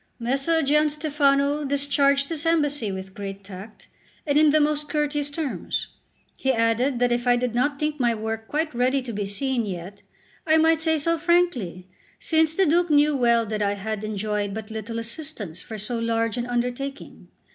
Messer Gianstefano discharged this embassy with great tact, and in the most courteous terms. He added that if I did not think my work quite ready to be seen yet, I might say so frankly, since the Duke knew well that I had enjoyed but little assistance for so large an undertaking.